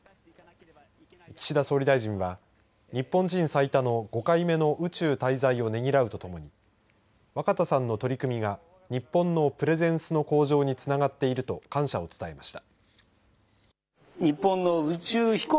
岸田総理大臣は日本人最多の５回目の宇宙滞在をねぎらうとともに若田さんの取り組みが日本のプレゼンスの向上につながっていると感謝を伝えました。